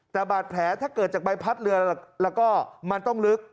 แต่บาดแผลถ้าเกิดจากใบพัดเรือแล้วก็มันต้องลึก